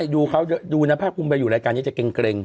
ดูเขาดูนะภาคภูมิไปอยู่รายการนี้จะเกร็ง